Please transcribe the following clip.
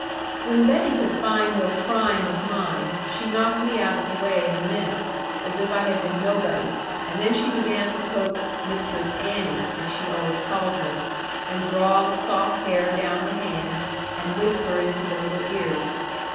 When Betty could find no crime of mine, she knocked me out of the way in a minute, as if I had been nobody; and then she began to coax 'Mistress Annie,' as she always called her, and draw the soft hair down her hands, and whisper into the little ears.